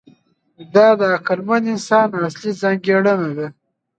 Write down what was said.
دا د عقلمن انسان اصلي ځانګړنه ده.